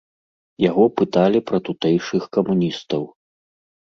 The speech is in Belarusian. Яго пыталі пра тутэйшых камуністаў.